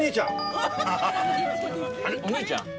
お兄ちゃん。